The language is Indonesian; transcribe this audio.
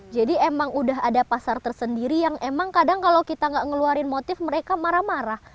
jadi emang udah ada pasar tersendiri yang emang kadang kalau kita nggak ngeluarin motif mereka marah marah